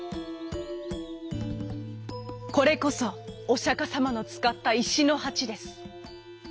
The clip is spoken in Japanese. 「これこそおしゃかさまのつかったいしのはちです」。